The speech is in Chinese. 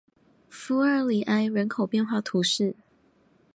弗尔里埃人口变化图示